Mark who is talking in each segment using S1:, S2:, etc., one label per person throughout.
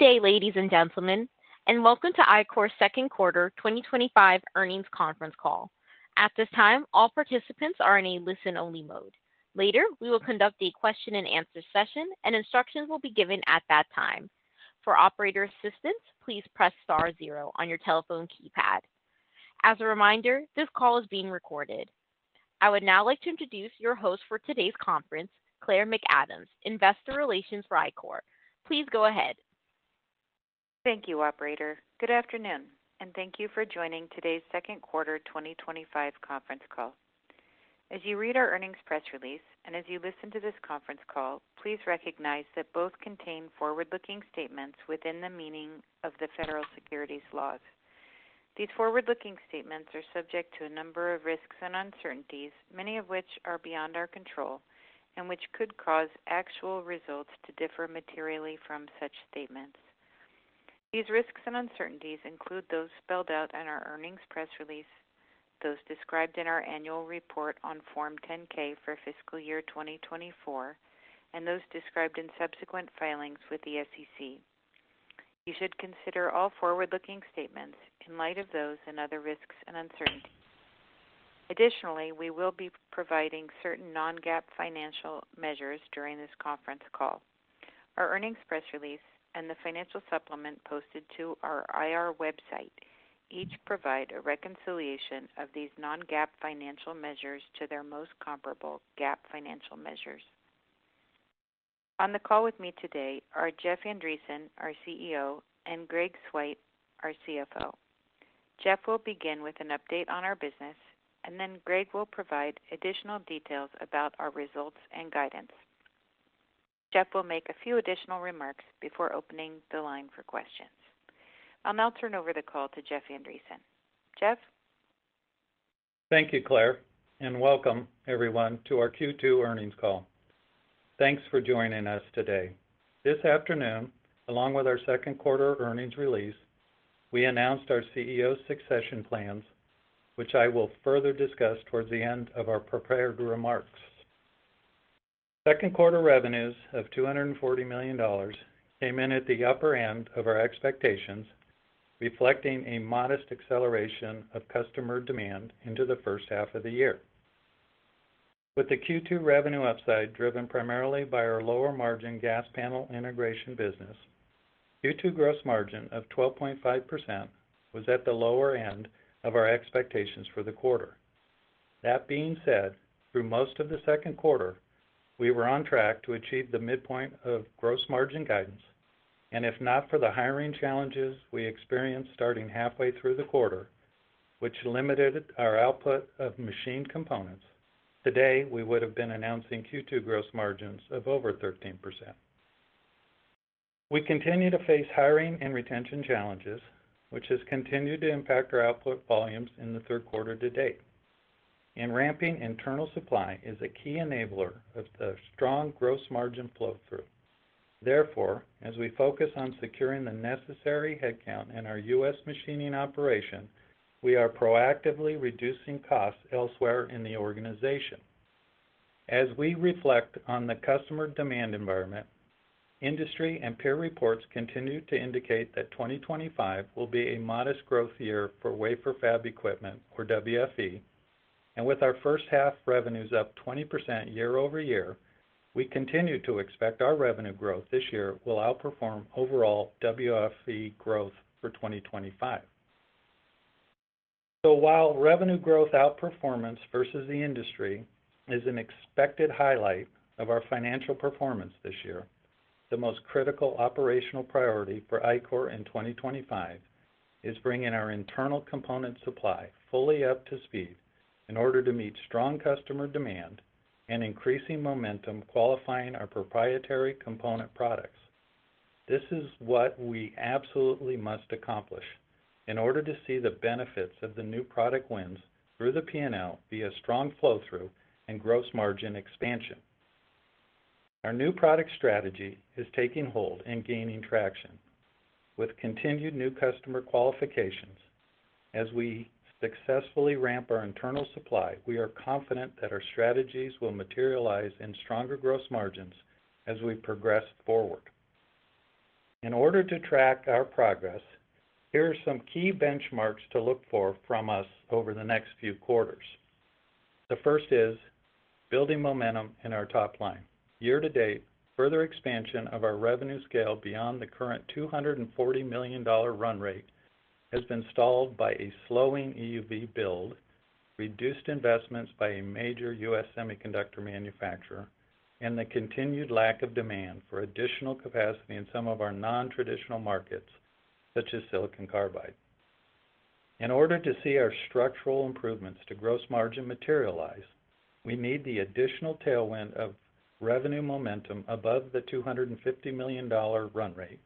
S1: Good day, ladies and gentlemen, and welcome to Ichor's second quarter 2025 earnings conference call. At this time, all participants are in a listen-only mode. Later, we will conduct a question and answer session, and instructions will be given at that time. For operator assistance, please press star zero on your telephone keypad. As a reminder, this call is being recorded. I would now like to introduce your host for today's conference, Claire McAdams, Investor Relations, Ichor. Please go ahead.
S2: Thank you, operator. Good afternoon, and thank you for joining today's second quarter 2025 conference call. As you read our earnings press release and as you listen to this conference call, please recognize that both contain forward-looking statements within the meaning of the federal securities laws. These forward-looking statements are subject to a number of risks and uncertainties, many of which are beyond our control and which could cause actual results to differ materially from such statements. These risks and uncertainties include those spelled out in our earnings press release, those described in our annual report on Form 10-K for fiscal year 2024, and those described in subsequent filings with the SEC. You should consider all forward-looking statements in light of those and other risks and uncertainties. Additionally, we will be providing certain non-GAAP financial measures during this conference call. Our earnings press release and the financial supplement posted to our IR website each provide a reconciliation of these non-GAAP financial measures to their most comparable GAAP financial measures. On the call with me today are Jeff Andreson, our CEO, and Greg Swyt, our CFO. Jeff will begin with an update on our business, and then Greg will provide additional details about our results and guidance. Jeff will make a few additional remarks before opening the line for questions. I'll now turn over the call to Jeff Andreson.
S3: Jeff, thank you, Claire, and welcome everyone to our Q2 earnings call. Thanks for joining us today. This afternoon, along with our second quarter earnings release, we announced our CEO's succession plans, which I will further discuss towards the end of our prepared remarks. Second quarter revenues of $240 million came in at the upper end of our expectations, reflecting a modest acceleration of customer demand into the first half of the year, with the Q2 revenue upside driven primarily by our lower margin gas panel integration business. Q2 gross margin of 12.5% was at the lower end of our expectations for the quarter. That being said, through most of the second quarter we were on track to achieve the midpoint of gross margin guidance, and if not for the hiring challenges we experienced starting halfway through the quarter, which limited our output of machining components, today we would have been announcing Q2 gross margins of over 13%. We continue to face hiring and retention challenges, which has continued to impact our output volumes in the third quarter to date. Ramping internal supply is a key enabler of strong gross margin flow through. Therefore, as we focus on securing the necessary headcount in our U.S. machining operation, we are proactively reducing costs elsewhere in the organization. As we reflect on the customer demand environment, industry and peer reports continue to indicate that 2025 will be a modest growth year for Wafer Fab Equipment, or WFE. With our first half revenues up 20% year-over-year, we continue to expect our revenue growth this year will outperform overall WFE growth for 2025. While revenue growth outperformance vs the industry is an expected highlight of our financial performance this year, the most critical operational priority for Ichor in 2025 is bringing our internal component supply fully up to speed in order to meet strong customer demand and increasing momentum qualifying our proprietary component products. This is what we absolutely must accomplish in order to see the benefits of the new product wins through the P&L via strong flow through and gross margin expansion. Our new product strategy is taking hold and gaining traction with continued new customer qualifications as we successfully ramp our internal supply. We are confident that our strategies will materialize in stronger gross margins as we progress forward. In order to track our progress, here are some key benchmarks to look for from us over the next few quarters. The first is building momentum in our top line year-to-date. Further expansion of our revenue scale beyond the current $240 million run rate has been stalled by a slowing EUV build, reduced investments by a major U.S. semiconductor manufacturer, and the continued lack of demand for additional capacity in some of our non-traditional markets such as silicon carbide. In order to see our structural improvements to gross margin materialize, we need the additional tailwind of revenue momentum above the $250 million run rate,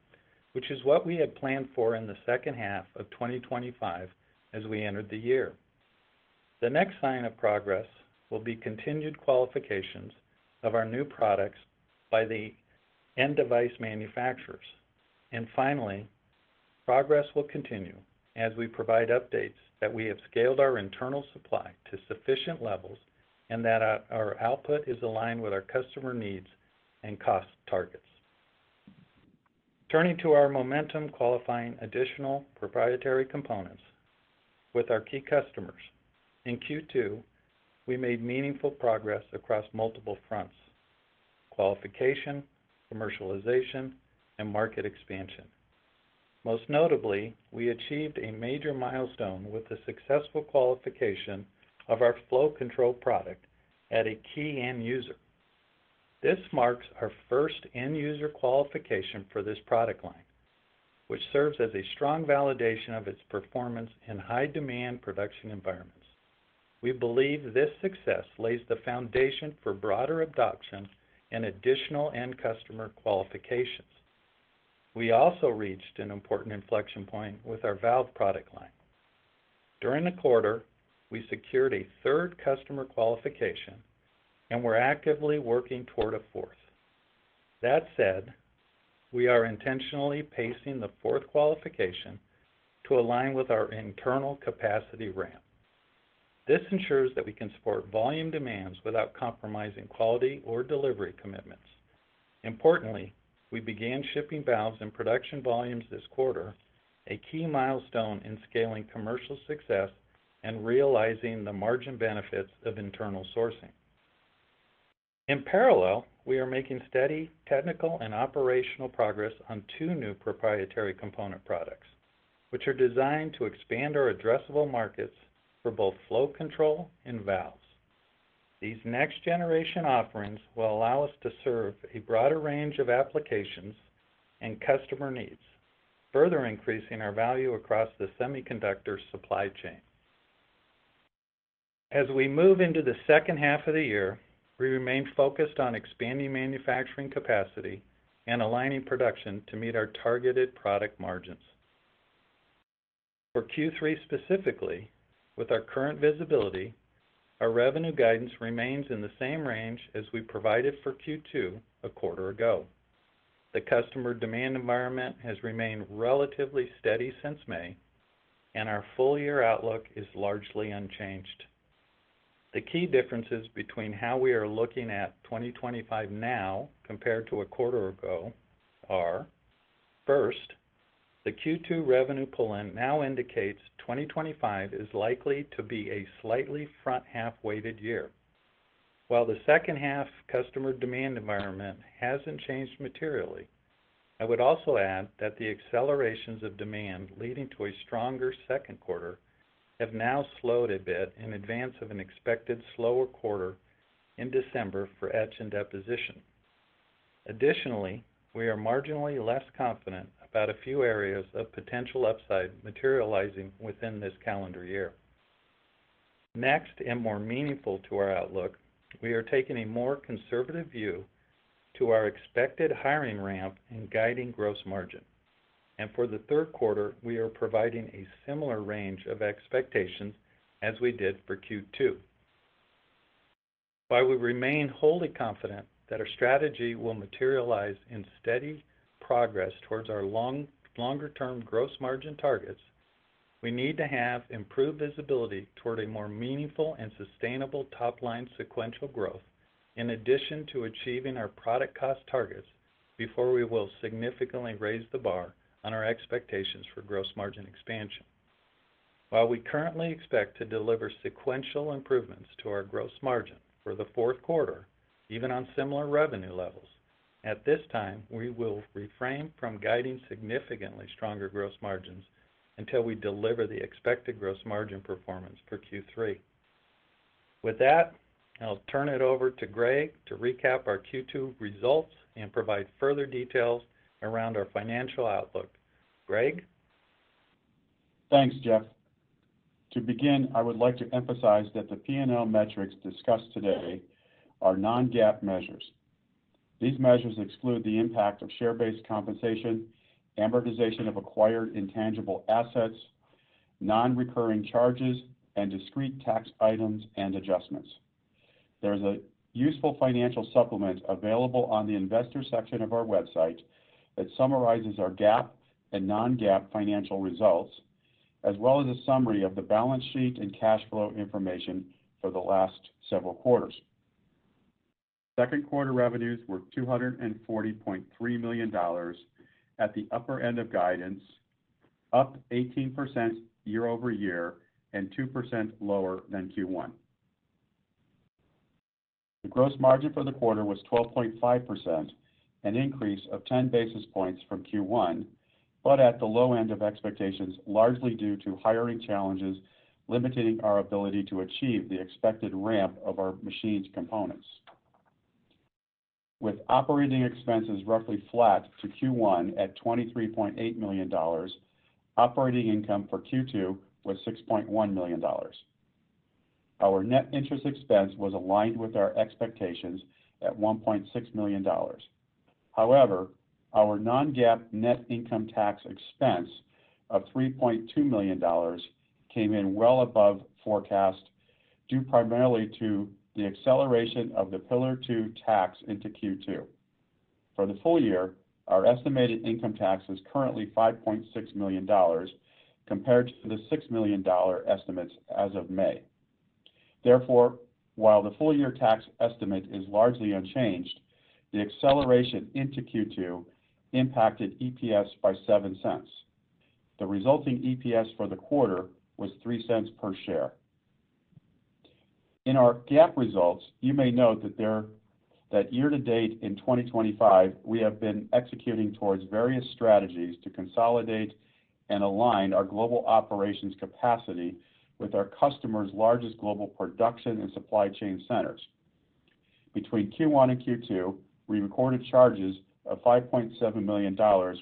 S3: which is what we had planned for in the second half of 2025 as we entered the year. The next sign of progress will be continued qualifications of our new products by the end device manufacturers. Finally, progress will continue as we provide updates that we have scaled our internal supply to sufficient levels and that our output is aligned with our customer needs and cost targets. Turning to our momentum qualifying additional proprietary components with our key customers in Q2, we made meaningful progress across multiple fronts: qualification, commercialization, and market expansion. Most notably, we achieved a major milestone with the successful qualification of our flow control product at a key end user. This marks our first end user qualification for this product line, which serves as a strong validation of its performance in high demand production environments. We believe this success lays the foundation for broader adoption and additional end customer qualifications. We also reached an important inflection point with our valve product line during the quarter. We secured a third customer qualification and we're actively working toward a fourth. That said, we are intentionally pacing the fourth qualification to align with our internal capacity ramp. This ensures that we can support volume demands without compromising quality or delivery commitments. Importantly, we began shipping valves in production volumes this quarter, a key milestone in scaling commercial success and realizing the margin benefits of internal sourcing. In parallel, we are making steady technical and operational progress on two new proprietary component products, which are designed to expand our addressable markets for both flow control and valves. These next generation offerings will allow us to serve a broader range of applications and customer needs, further increasing our value across the semiconductor supply chain. As we move into the second half of the year, we remain focused on expanding manufacturing capacity and aligning production to meet our targeted product margins. For Q3 specifically, with our current visibility, our revenue guidance remains in the same range as we provided for Q2 a quarter ago. The customer demand environment has remained relatively steady since May, and our full year outlook is largely unchanged. The key differences between how we are looking at 2025 now compared to a quarter ago are, first, the Q2 revenue pull-in now indicates 2025 is likely to be a slightly front half weighted year, while the second half customer demand environment hasn't changed materially. I would also add that the accelerations of demand leading to a stronger second quarter have now slowed a bit in advance of an expected slower quarter in December for etch and deposition. Additionally, we are marginally less confident about a few areas of potential upside materializing within this calendar year. Next, and more meaningful to our outlook, we are taking a more conservative view to our expected hiring ramp and guiding gross margin, and for the third quarter we are providing a similar range of expectations as we did for Q2. While we remain wholly confident that our strategy will materialize in steady progress towards our longer term gross margin targets, we need to have improved visibility toward a more meaningful and sustainable top line sequential growth. In addition to achieving our product cost targets before, we will significantly raise the bar on our expectations for gross margin expansion. While we currently expect to deliver sequential improvements to our gross margin for the fourth quarter, even on similar revenue levels, at this time we will refrain from guiding significantly stronger gross margins until we deliver the expected gross margin performance for Q3. With that, I'll turn it over to Greg to recap our Q2 results and provide further details around our financial outlook. Greg?
S4: Thanks Jeff. To begin, I would like to emphasize that the P&L metrics discussed today are non-GAAP measures. These measures exclude the impact of share-based compensation, amortization of acquired intangible assets, non-recurring charges, and discrete tax items and adjustments. There is a useful financial supplement available on the Investor section of our website that summarizes our GAAP and non-GAAP financial results, as well as a summary of the balance sheet and cash flow information for the last several quarters. Second quarter revenues were $240.3 million at the upper end of guidance, up 18% year-over-year and 2% lower than Q1. The gross margin for the quarter was 12.5%, an increase of 10 basis points from Q1, but at the low end of expectations largely due to hiring challenges limiting our ability to achieve the expected ramp of our machines components. With operating expenses roughly flat to Q1 at $23.8 million, operating income for Q2 was $6.1 million. Our net interest expense was aligned with our expectations at $1.6 million. However, our non-GAAP net income tax expense of $3.2 million came in well above forecast due primarily to the acceleration of the Pillar Two Tax into Q2 for the full year. Our estimated income tax is currently $5.6 million compared to the $6 million estimates as of May. Therefore, while the full year tax estimate is largely unchanged, the acceleration into Q2 impacted EPS by $0.07. The resulting EPS for the quarter was $0.03 per share in our GAAP results. You may note that year to date in 2025 we have been executing towards various strategies to consolidate and align our global operations capacity with our customers' largest global production and supply chain centers. Between Q1 and Q2, we recorded charges of $5.7 million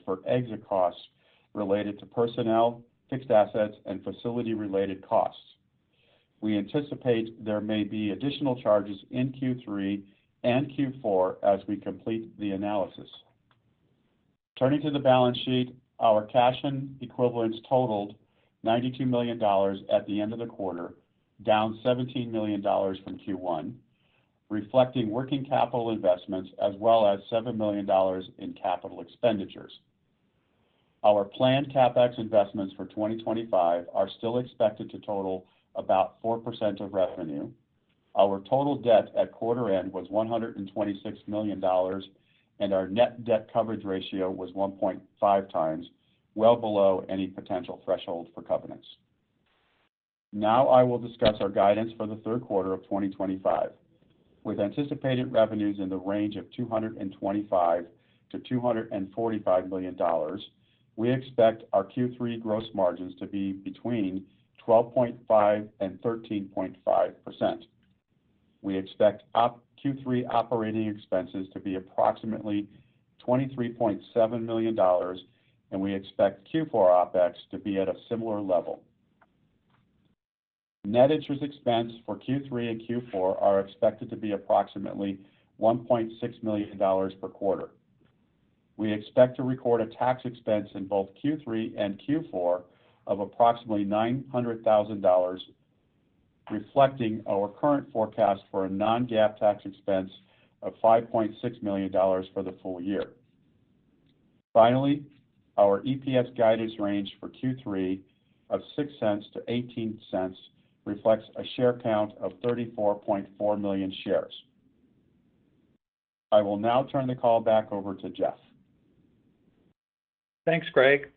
S4: for exit costs related to personnel, fixed assets, and facility-related costs. We anticipate there may be additional charges in Q3 and Q4 as we complete the analysis. Turning to the balance sheet, our cash and equivalents totaled $92 million at the end of the quarter, down $17 million from Q1, reflecting working capital investments as well as $7 million in capital expenditures. Our planned CapEx investments for 2025 are still expected to total about 4% of revenue. Our total debt at quarter end was $126 million and our net debt coverage ratio was 1.5x, well below any potential threshold for covenants. Now I will discuss our guidance for the third quarter of 2025, with anticipated revenues in the range of $225 million-$245 million. We expect our Q3 gross margins to be between 12.5% and 13.5%. We expect Q3 operating expenses to be approximately $23.7 million, and we expect Q4 OpEx to be at a similar level. Net interest expense for Q3 and Q4 are expected to be approximately $1.6 million per quarter. We expect to record a tax expense in both Q3 and Q4 of approximately $900,000, reflecting our current forecast for a non-GAAP tax expense of $5.6 million for the full year. Finally, our EPS guidance range for Q3 of $0.06-$0.18 reflects a share count of 34.4 million shares. I will now turn the call back over to Jeff.
S3: Thanks, Greg.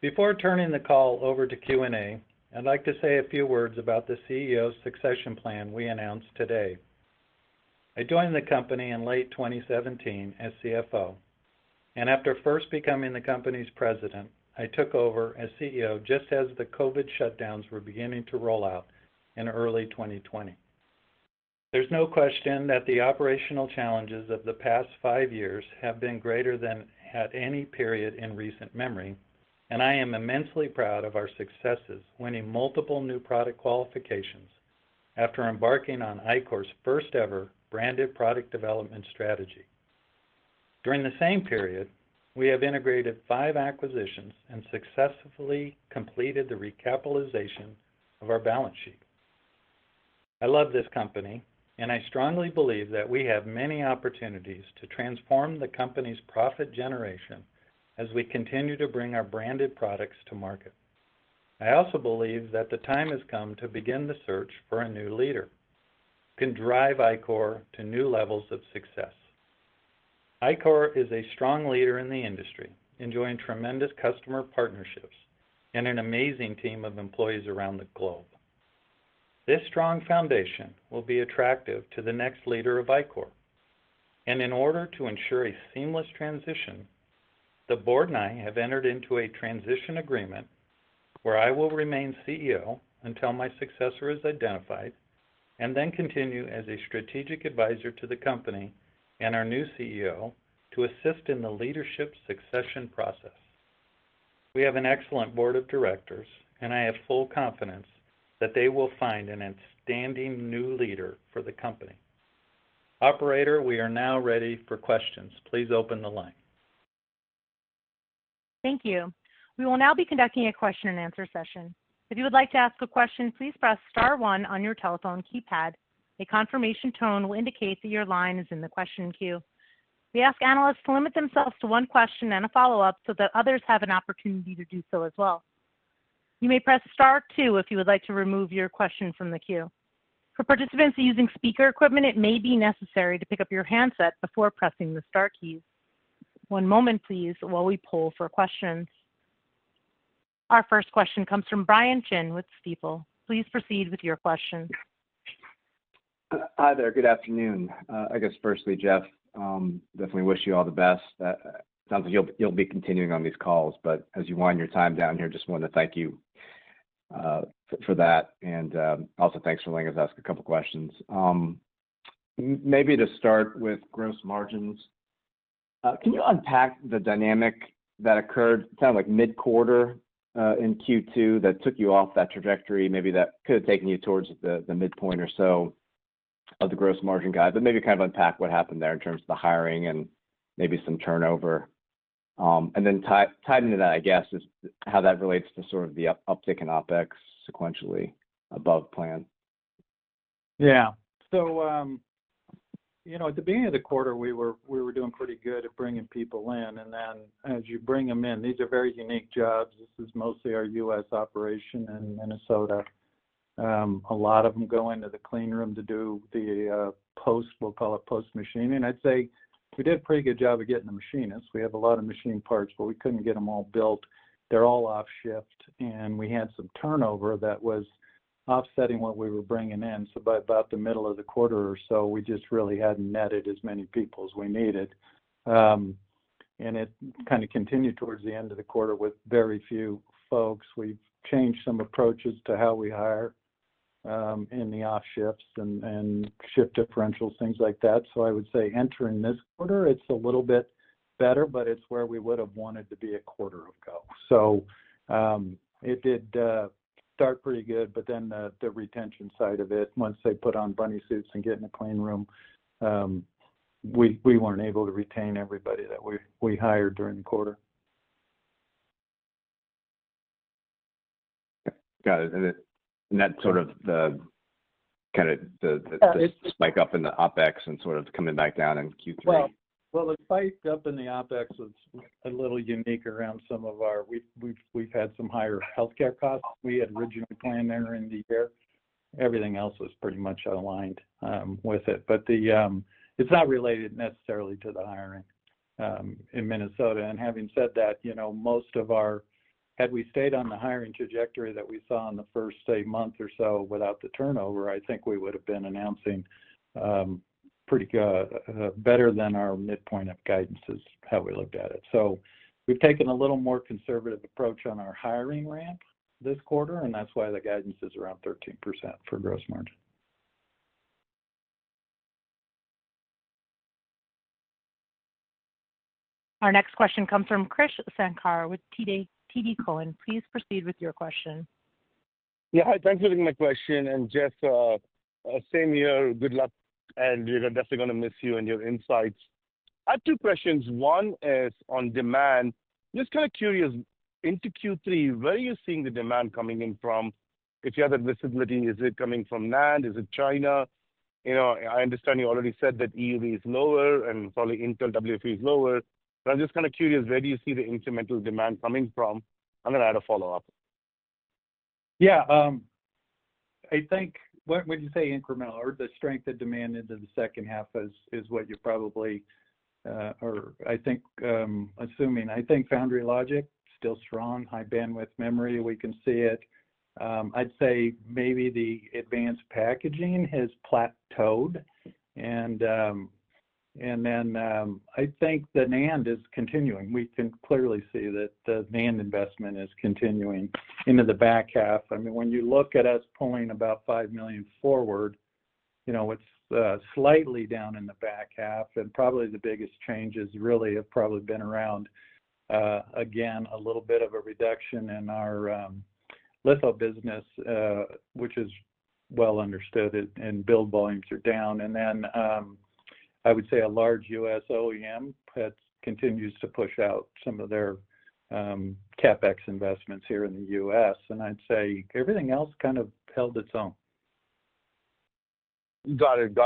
S3: Before turning the call over to Q&A, I'd like to say a few words about the CEO succession plan we announced today. I joined the company in late 2017 as CFO, and after first becoming the company's President, I took over as CEO just as the COVID shutdowns were beginning to roll out in early 2020. There's no question that the operational challenges of the past five years have been greater than any at any period in recent memory, and I am immensely proud of our successes. Winning multiple new product qualifications after embarking on Ichor's first ever branded product development strategy during the same period, we have integrated five acquisitions and successfully completed the recapitalization of our balance sheet. I love this company, and I strongly believe that we have many opportunities to transform the company's profit generation as we continue to bring our branded products to market. I also believe that the time has come to begin the search for a new leader who can drive Ichor to new levels of success. Ichor is a strong leader in the industry, enjoying tremendous customer partnerships and an amazing team of employees around the globe. This strong foundation will be attractive to the next leader of Ichor, and in order to ensure a seamless transition, the Board and I have entered into a transition agreement where I will remain CEO until my successor is identified and then continue as a strategic advisor to the company and our new CEO to assist in the leadership succession process. We have an excellent Board of Directors, and I have full confidence that they will find an outstanding new leader for the company. Operator, we are now ready for questions. Please open the line.
S1: Thank you. We will now be conducting a question and answer session. If you would like to ask a question, please press star one on your telephone keypad. A confirmation tone will indicate that your line is in the question queue. We ask analysts to limit themselves to one question and a follow-up so that others have an opportunity to do so as well. You may press star two if you would like to remove your question from the queue. For participants using speaker equipment, it may be necessary to pick up your handset before pressing the star keys. One moment please. While we poll for questions, our first question comes from Brian Chin with Stifel. Please proceed with your question.
S5: Hi there. Good afternoon. I guess firstly, Jeff, definitely wish you all the best. Sounds like you'll be continuing on these calls, but as you wind your time down here, just wanted to thank you for that and also thanks for letting us ask a couple questions. Maybe to start with gross margins, can you unpack the dynamic that occurred, sounds like mid-quarter in Q2, that took you off that trajectory? Maybe that could have taken you towards the midpoint or so of the gross margin guide, but maybe kind of unpack what happened there in terms of the hiring and maybe some turnover. Tied into that, I guess, is how that relates to sort of the uptick in OpEx sequentially above plan?
S3: At the beginning of the quarter we were doing pretty good at bringing people in. As you bring them in, these are very unique jobs. This is mostly our U.S. operation in Minnesota. A lot of them go into the clean room to do the post, we'll call it post machine. I'd say we did a pretty good job of getting the machinists. We have a lot of machine parts, but we couldn't get them all built. They're all off shift and we had some turnover that was offsetting what we were bringing in. By about the middle of the quarter or so, we just really hadn't netted as many people as we needed. It kind of continued towards the end of the quarter with very few folks. We've changed some approaches to how we hire in the off shifts and shift differentials, things like that. I would say entering this quarter it's a little bit better, but it's where we would have wanted to be a quarter ago. It did start pretty good. The retention side of it, once they put on bunny suits and get in a clean room, we weren't able to retain everybody that we hired during the quarter.
S5: Got it. That is sort of the spike up in the OpEx and sort of coming back down in Q3.
S3: The fight up in the OpEx was a little unique around some of our we've had some higher health care costs we had originally planned entering the year. Everything else was pretty much aligned with it. It's not related necessarily to the hiring in Minnesota. Having said that, you know, most of our had we stayed on the hiring trajectory that we saw in the first month or so without the turnover, I think we would have been announcing pretty good. Better than our midpoint of guidance is. How we looked at it. We have taken a little more conservative approach on our hiring ramp this quarter, and that's why the guidance is around 13% for gross margin.
S1: Our next question comes from Krish Sankar with TD Cowen. Please proceed with your question.
S6: Yeah, hi, thanks for taking my question and Jeff, same here. Good luck and we're definitely going to miss you and your insights. I have two questions. One is on demand. Just kind of curious into Q3, where are you seeing the demand coming in from if you have that visibility? Is it coming from NAND? Is it China? I understand you already said that EUV is lower and probably Intel WFE is lower, but I'm just kind of curious, where do you see the incremental demand coming from? I'm going to add a follow up.
S3: Yeah, I think what would you say, incremental or the strength of demand into the second half is what you probably are. I think, assuming, I think foundry logic still strong, high bandwidth memory, we can see it. I'd say maybe the advanced packaging has plateaued, and then I think the NAND is continuing. We can clearly see that the NAND investment is continuing into the back half. I mean, when you look at us pulling about $5 million forward, it's slightly down in the back half, and probably the biggest changes really have probably been around a little bit of a reduction in our litho business, which is well understood, and build volumes are down. I would say a large U.S. OEM that continues to push out some of their CapEx investments here in the U.S., and I'd say everything else kind of held its own.
S6: Got it.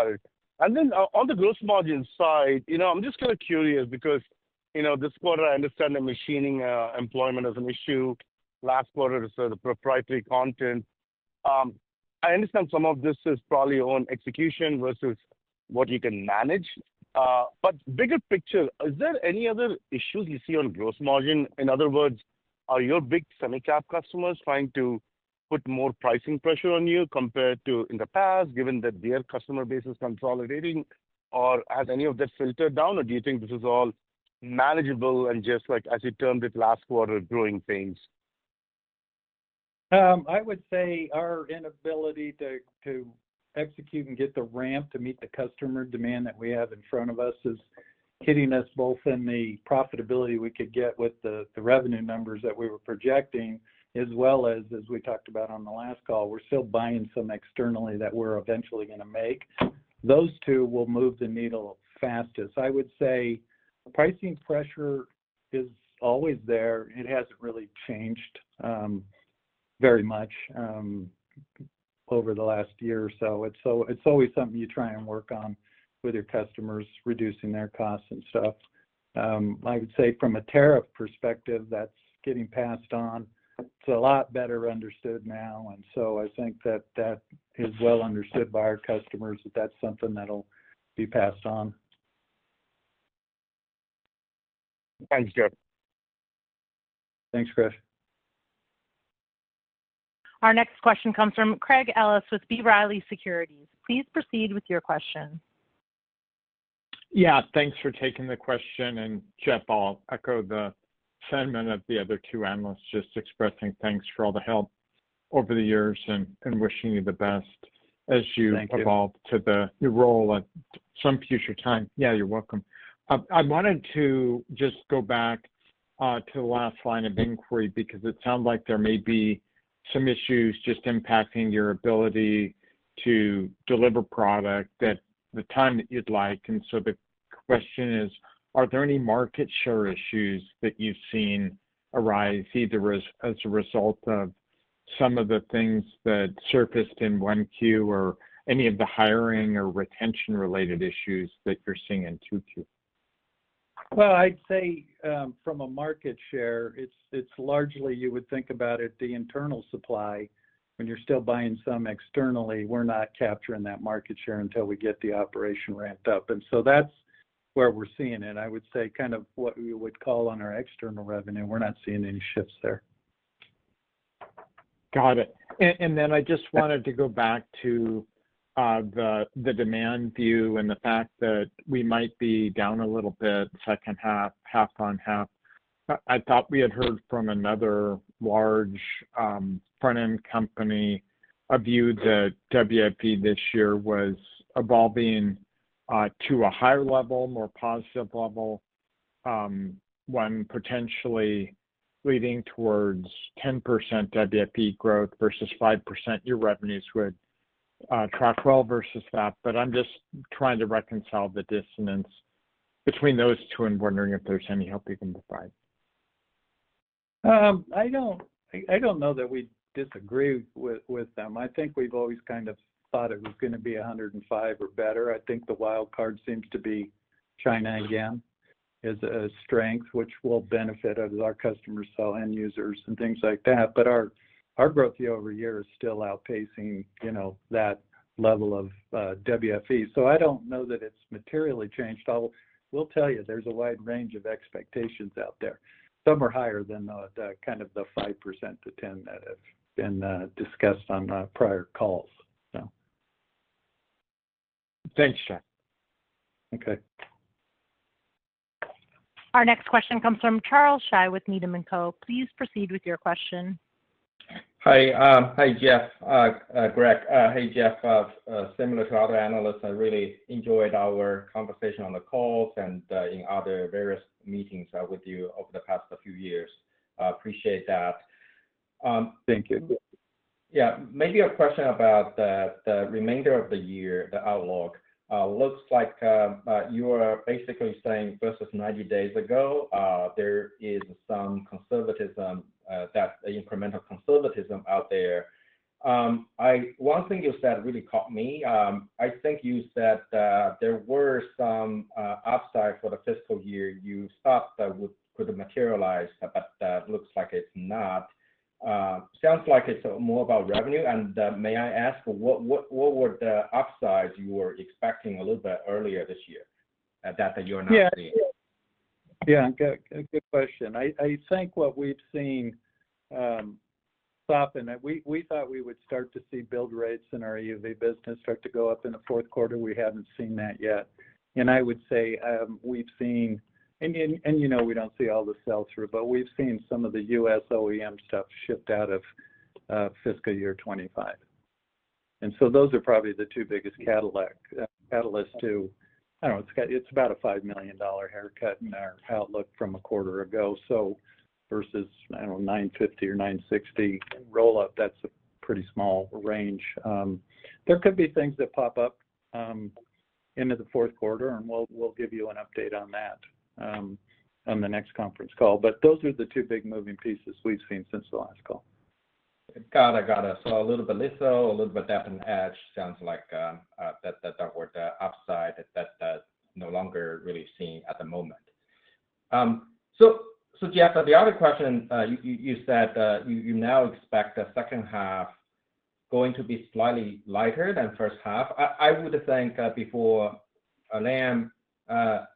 S6: On the gross margin side, I'm just kind of curious because this quarter I understand the machining employment is an issue. Last quarter is a proprietary content. I understand some of this is probably on execution vs what you can manage. Bigger picture, is there any other issues you see on gross margin? In other words, are your big semicap customers trying to put more pricing pressure on you compared to in the past given that their customer base is consolidating or has any of that filtered down or do you think this is all manageable and just like as he termed it last quarter, growing pains?
S3: I would say our inability to execute and get the ramp to meet the customer demand that we have in front of us is hitting us both in the profitability we could get with the revenue numbers that we were projecting as well as, as we talked about on the last call, we're still buying some externally that we're eventually going to make. Those two will move the needle fastest. I would say pricing pressure is always there. It hasn't really changed very much over the last year or so. It's always something you try and work on with your customers, reducing their costs and stuff. I would say from a tariff perspective that's getting passed on. It's a lot better understood now. I think that is well understood by our customers, that that's something that'll be passed on.
S6: Thanks, Jeff.
S3: Thanks, Krish.
S1: Our next question comes from Craig Ellis with B. Riley Securities. Please proceed with your question.
S7: Yeah, thanks for taking the question. Jeff, I'll echo the sentiment of the other two analysts, just expressing thanks for all the help over the years and wishing you the best as you evolve to the role at some future time.
S3: Yeah, you're welcome.
S7: I wanted to just go back to the last line of inquiry because it sounds like there may be some issues impacting your ability to deliver product at the time that you'd like. The question is, are there any market share issues that you've seen arise either as a result of some of the things that surfaced in 1Q or any of the hiring or retention related issues that you're seeing in 2Q?
S3: I'd say from a market share, it's largely, you would think about it, the internal supply when you're still buying some externally. We're not capturing that market share until we get the operation ramped up, and that's where we're seeing it. I would say kind of what you would call on our external revenue, we're not seeing any shifts there.
S7: Got it. I just wanted to go back to the demand view and the fact that we might be down. Little bit second half, half on half. I thought we had heard from another large front end company, a view that WIP this year was evolving to a higher level, more positive level, potentially leading towards 10% WFE growth vs 5%. Your revenues would track well vs that. I'm just trying to reconcile the dissonance between those two and wondering if there's any help you can provide.
S3: I don't know that we disagree with them. I think we've always kind of thought it was going to be 105 or better. I think the wild card seems to be China again is a strength which will benefit as our customers sell end users and things like that. Our growth year-over-year is still outpacing that level of WFE. I don't know that it's materially changed. There's a wide range of expectations out there. Some are higher than the 5%-10% that have been discussed on prior calls.
S7: Thanks, Jeff.
S3: Okay.
S1: Our next question comes from Charles Shi with Needham & Co. Please proceed with your question.
S8: Hi, Jeff, Greg. Hey, Jeff. Similar to other analysts, I really enjoyed our conversation on the calls and in other various meetings with you over the past few years. Appreciate that.
S3: Thank you.
S8: Maybe a question about the remainder of the year, the outlook looks like you are basically saying vs 90 days ago, there is some conservatism, that incremental conservatism out there. One thing you said really caught me. I think you said there were some upside for the fiscal year you thought that would could materialize, but that looks like it's not. It sounds like it's more about revenue. May I ask what were the upsides you were expecting a little bit earlier this year that you're not seeing?
S3: Yeah, good question. I think what we've seen soften is that we thought we would start to see build rates in our EUV business start to go up in the fourth quarter. We haven't seen that yet. I would say we've seen, and you know, we don't see all the sell-through, but we've seen some of the U.S. OEM stuff shipped out of fiscal year 2025. Those are probably the two biggest catalysts to, I don't know, it's about a $5 million haircut in our outlook from a quarter ago. Vs, I don't know, $950 million or $960 million roll up, that's a pretty small range. There could be things that pop up into the fourth quarter, and we'll give you an update on that on the next conference call. Those are the two big moving pieces we've seen since the last call.
S8: Got it, got it. A little bit less so, a little bit depth and edge sounds like the upside that no longer really seen at the moment. The other question, you said you now expect the second half going to be slightly lighter than first half. I would think before Lam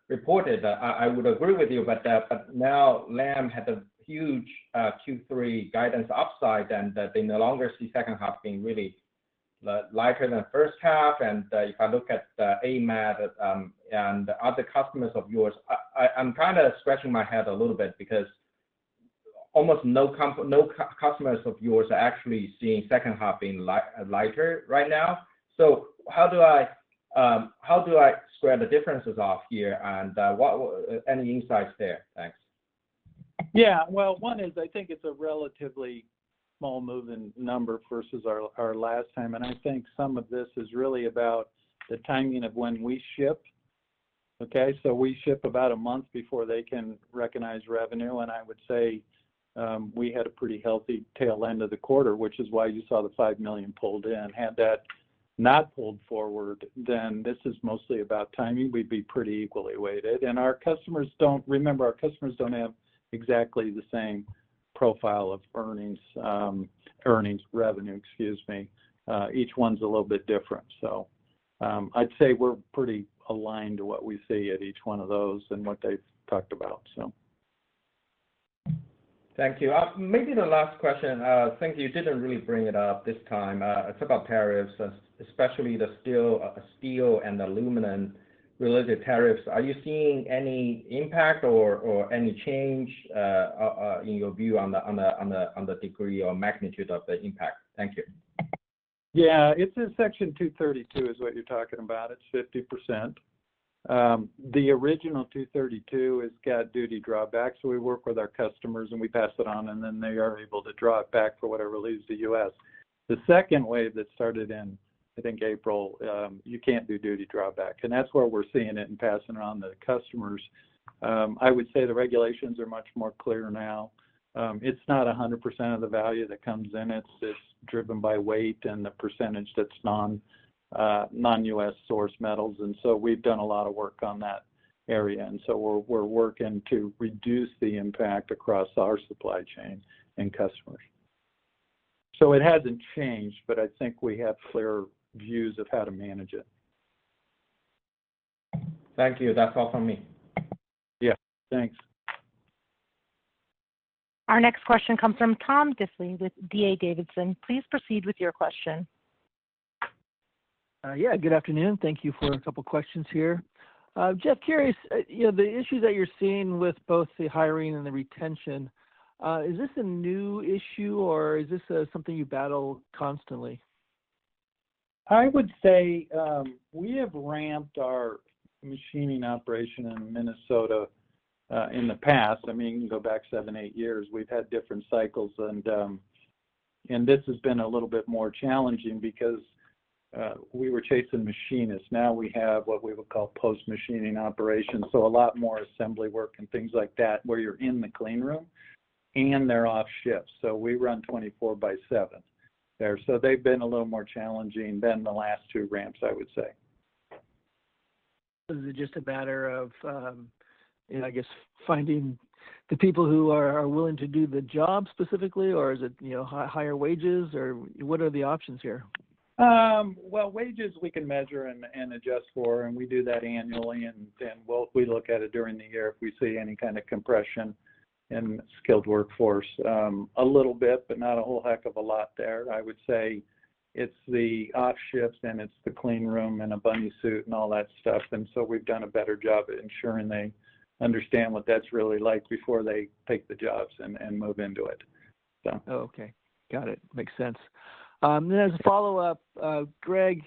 S8: reported. I would agree with you. Lam had a huge Q3 guidance upside, and in the longest, the second half being really like in the first half. If I look at AMAT and other customers of yours, I'm kind of scratching my head a little bit because almost no customers of yours are actually seeing the second half being lighter right now. How do I square the differences off here, and what, any insights there? Thanks.
S3: One is, I think it's a relatively small move in number versus our last time, and I think some of this is really about the timing of when we ship. We ship about a month before they can recognize revenue, and I would say we had a pretty healthy tail end of the quarter, which is why you saw the $5 million pulled in. Had that not pulled forward, then this is mostly about timing. We'd be pretty equally weighted, and our customers don't. Remember, our customers don't have exactly the same profile of earnings, revenue, excuse me. Each one's a little bit different. I'd say we're pretty aligned to what we see at each one of.
S8: Thank you. Maybe the last question, since you didn't really bring it up this time, it's about tariffs, especially the steel and aluminum related tariffs. Are you seeing any impact or any change in your view on the degree or magnitude of the impact? Thank you.
S3: Yeah, it's in Section 232 is what you're talking about. It's 50%. The original 232 has got duty drawback. We work with our customers and we pass it on and then they are able to draw it back for whatever leaves the U.S. The second wave that started in, I think, April, you can't do duty drawback and that's where we're seeing it and passing it on to customers. I would say the regulations are much more clear now. It's not 100% of the value that comes in. It's just driven by weight and the percentage that's non-U.S. source metals. We have done a lot of work on that area and we're working to reduce the impact across our supply chain and customers. It hasn't changed, but I think we have clearer views of how to manage it.
S8: Thank you. That's all from me.
S3: Yeah, thanks.
S1: Our next question comes from Tom Diffely with D.A. Davidson. Please proceed with your question.
S9: Yeah, good afternoon. Thank you for a couple questions here. Jeff, curious, you know, the issue that you're seeing with both the hiring and the retention. Is this a new issue or is this something you battle constantly?
S3: I would say we have ramped our machining operation in Minnesota in the past. I mean, go back seven, eight years. We've had different cycles and this has been a little bit more challenging because we were chasing machinists. Now we have what we would call post machining operations. A lot more assembly work and things like that where you're in the clean room and they're off shift. We run 24/7 there. They've been a little more challenging than the last two ramps, I would say.
S9: Is it just a matter of, I guess, finding the people who are willing to do the job specifically, or is it, you know, higher wages or what are the options here?
S3: Wages we can measure and adjust for, and we do that annually. We look at it during the year. If we see any kind of compression and skilled workforce a little bit, but not a whole heck of a lot there, I would say it's the offshift and it's the clean room and a bunny suit and all that stuff. We've done a better job ensuring they understand what that's really like before they take the jobs and move into it.
S9: Okay, got it. Makes sense. As a follow up, Greg,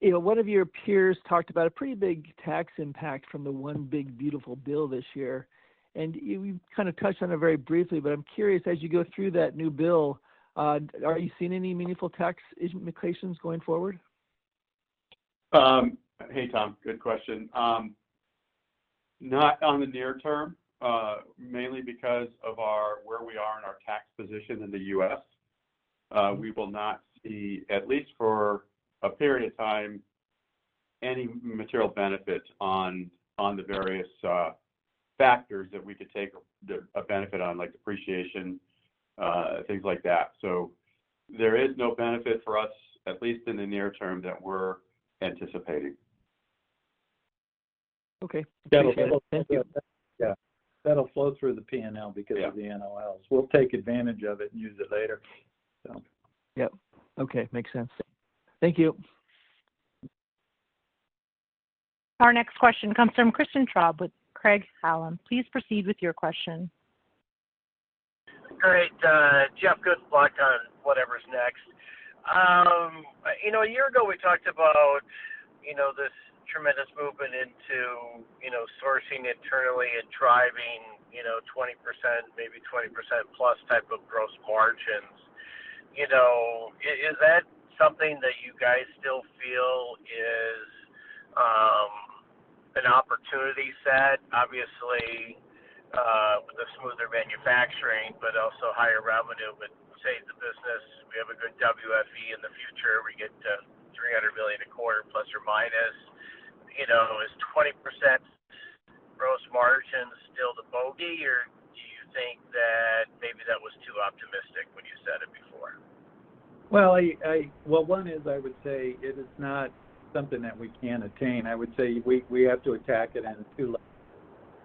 S9: you know, one of your peers talked about a pretty big tax impact from the one big beautiful bill this year, and we kind of touched on it very briefly. I'm curious, as you go through that new bill, are you seeing any meaningful tax implications going forward?
S4: Hey, Tom, good question. Not in the near term, mainly because of where we are in our tax position in the U.S. We will not see, at least for a period of time, any material benefit on the various factors that we could take a benefit on, like depreciation, things like that. There is no benefit for us, at least in the near term that we're anticipating.
S9: Okay.
S3: Yeah, that'll flow through the P&L because of the NOLs. We'll take advantage of it and use it later.
S9: Yep. Okay, makes sense. Thank you.
S1: Our next question comes from Christian Schwab with Craig-Hallum. Please proceed with your question.
S10: Great. Jeff, good luck on whatever's next. A year ago we talked about this tremendous movement into sourcing internally and driving you know, 20%, maybe 20%+ type of gross margins. Is that something that you guys still feel is an opportunity set? Obviously the smoother manufacturing, but also higher revenue would save the business. We have a good WFE in the future. We get $300 million a quarter, plus or minus, you know, those 20% gross margin still the bogey, or do you think that maybe that was too optimistic when you said it before?
S3: I would say it is not something that we can attain. I would say we have to attack it on two.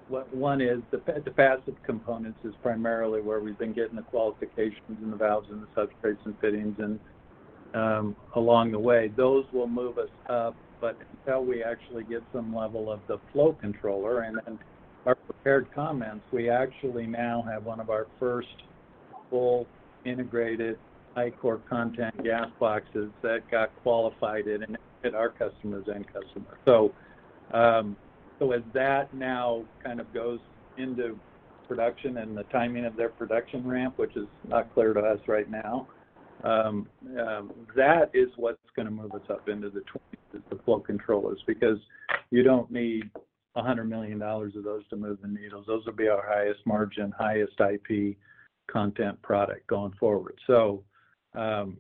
S3: One is the passive components is primarily where we've been getting the qualifications and the valves and the substrates and fittings and along the way those will move us up, but we actually get some level of the flow controller. In our prepared comments, we actually now have one of our first full integrated Ichor content gas boxes that got qualified in at our customers and customers. As that now kind of goes into production and the timing of their production ramp, which is not clear to us right now, that is what's going to move us up into the 20%. The flow controllers, because you don't need $100 million of those to move the needles. Those will be our highest margin, highest IP content product going forward. No, 20%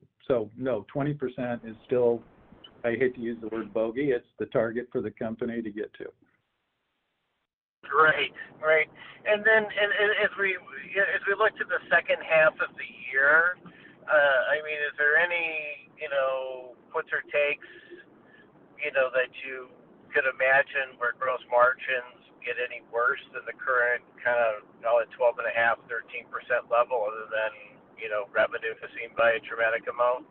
S3: is still, I hate to use the word bogey, it's the target for the company to get to.
S10: Right, right. As we look to the second half of the year, is there any, you know, puts or takes, you know, that you could imagine where gross margins get any worse than the current kind of call it 12.5%. At a 13% level, revenue is seen by a dramatic amount.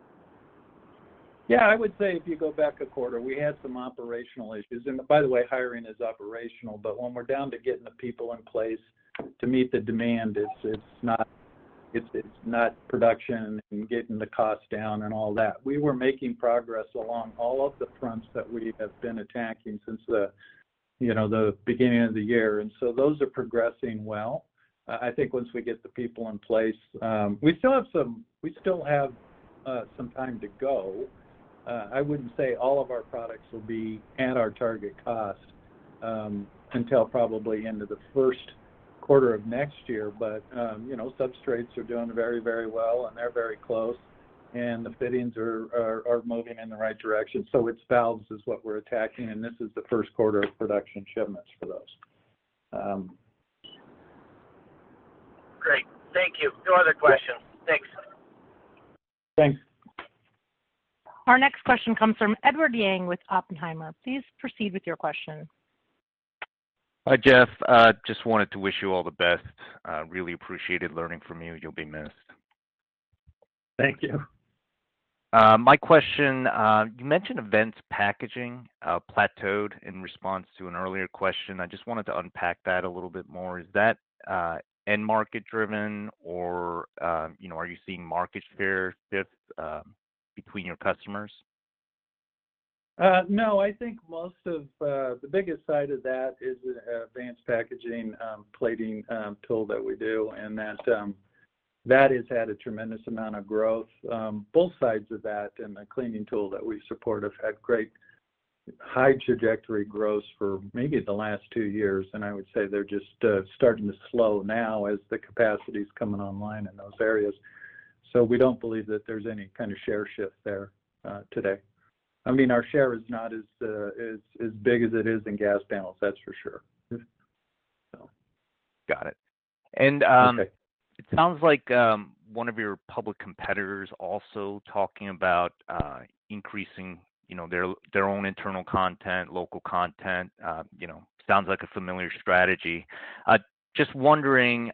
S3: I would say if you go back a quarter, we had some operational issues and by the way, hiring is operational. When we're down to getting the people in place to meet the demand, it's not production and getting the cost down and all that. We were making progress along all of the fronts that we have been attacking since the beginning of the year, and those are progressing well. I think once we get the people in place, we still have some time to go. I wouldn't say all of our products will be at our target cost until probably into the first quarter of next year. Substrates are doing very, very well and they're very close, and the fittings are moving in the right direction. It's valves that we're attacking, and this is the first quarter of production shipments for those.
S10: Great, thank you. No other question. Thanks.
S3: Thanks.
S1: Our next question comes from Edward Yang with Oppenheimer, please proceed with your question.
S11: Hi Jeff. Just wanted to wish you all the best. Really appreciated learning from you. You'll be missed.
S3: Thank you.
S11: My question, you mentioned events packaging plateaued. In response to an earlier question, I just wanted to unpack that a little bit more. Is that end market driven or you? Are you seeing market share shift between your customers?
S3: No, I think most of the biggest side of that is the advanced packaging plating tool that we do, and that has had a tremendous amount of growth. Both sides of that and the cleaning tool that we support have had great high trajectory growth for maybe the last two years. I would say they're just starting to slow now as the capacity is coming online in those areas. We don't believe that there's any kind of share shift there today. I mean our share is not as big as it is in gas panels, that's for sure.
S11: Got it. It sounds like one of your public competitors also talking about increasing their own internal content, local content. Sounds like a familiar strategy. Just wondering,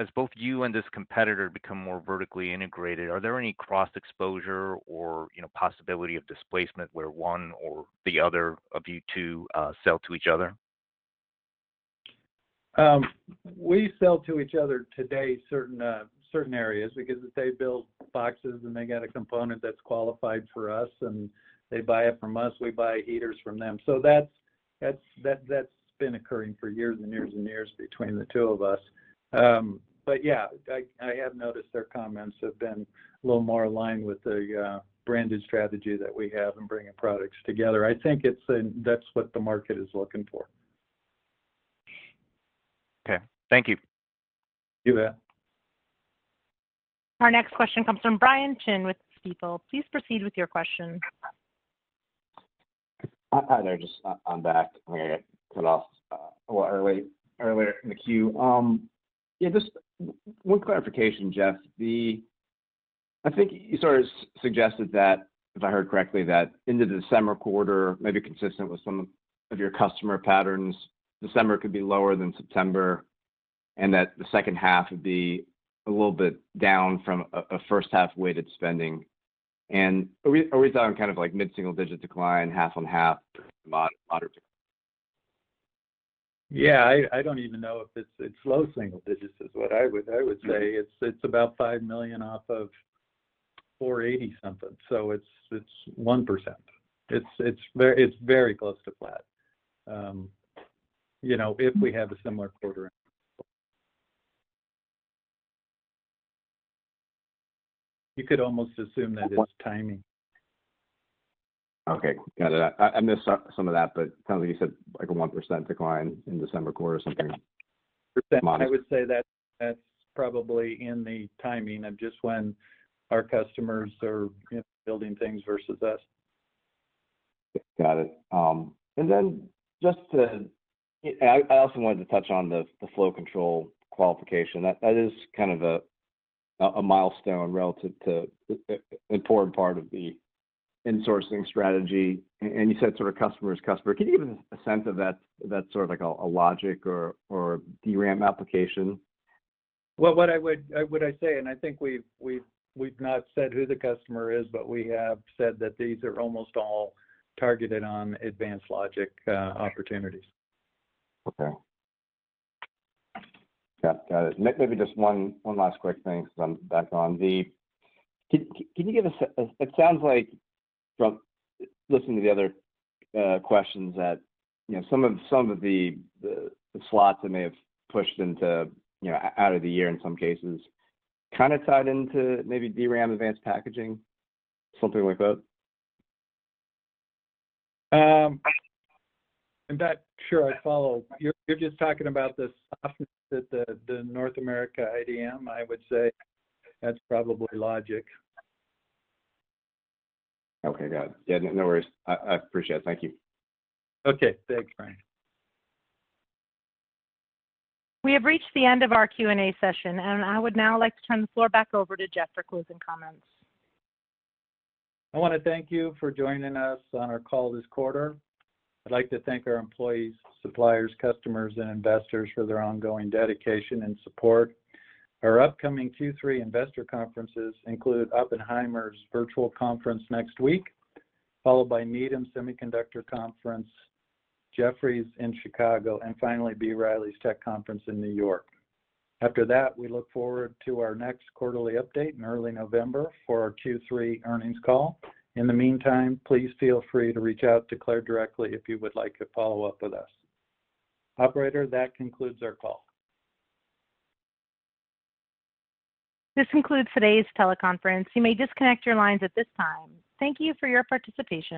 S11: as both you and this competitor become more vertically integrated, are there any cross exposure or, you know, possibility of displacement where one or the other of you to sell to each other?
S3: We sell to each other today in certain areas because if they built boxes and they got a component that's qualified for us and they buy it from us, we buy heaters from them. That's been occurring for years and years and years between the two of us. I have noticed their comments have been a little more aligned with the branded strategy that we have. Bringing products together, I think that's what the market is looking for.
S11: Okay, thank you.
S1: Our next question comes from Brian Chin with Stifel. Please proceed with your question.
S5: Hi there. I'm back a little early, earlier in the queue. Just one clarification, Jeff. I think you sort of suggested that, if I heard correctly, in the December quarter, maybe consistent with some of your customer patterns, December could be lower than September and that the second half would be a little bit down from a first half weighted spending. Are we talking kind of like mid single digit decline, half on half?
S3: I don't even know if it's low single digits is what I would say. It's about $5 million off of $480 million something. It's 1%. It's very close to flat. If we have a similar quarter, you could almost assume that it's timing.
S5: Okay, got it. I missed some of that, but you said like a 1% decline in December quarter or something.
S3: I would say that's probably in the timing of just when our customers are building things vs us.
S5: Got it. I also wanted to touch on the flow control qualification that is kind of a milestone relative to important part of the insourcing strategy. You said sort of customer is customer. Can you give a sense of that? That's sort of like a logic or DRAM application.
S3: I would say, and I think we've not said who the customer is, but we have said that these are almost all targeted on advanced logic opportunities.
S5: Okay, got it. Got it. Maybe just one last quick thing because I'm back on the can you give us. It sounds like from listening to the other questions that some of the slots that may have pushed into, you know, out of the year in some cases kind of tied into maybe DRAM, advanced packaging, something like that.
S3: I'm not sure I'd follow. You're just talking about the softness that the North America IDM. I would say that's probably logic.
S5: Okay, got it. No worries. I appreciate it. Thank you.
S3: Okay, thanks, Brian.
S1: We have reached the end of our Q&A session, and I would now like to turn the floor back over to Jeff for closing comments.
S3: I want to thank you for joining us on our call this quarter. I'd like to thank our employees, suppliers, customers, and investors for their ongoing dedication and support. Our upcoming Q3 investor conferences include Oppenheimer's virtual conference next week, followed by the Needham Semiconductor Conference, Jefferies in Chicago, and finally B. Riley's Tech Conference in New York. After that, we look forward to our next quarterly update in early November for our Q3 earnings call. In the meantime, please feel free to reach out to Claire directly if you would like to follow up with us. Operator, that concludes our call.
S1: This concludes today's teleconference. You may disconnect your lines at this time. Thank you for your participation.